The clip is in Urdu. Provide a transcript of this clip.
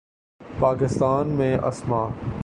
پاکستان میں اسما